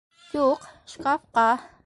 Юҡ, шкафҡа!